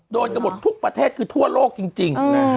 โดนกันหมดทุกประเทศคือทั่วโลกจริง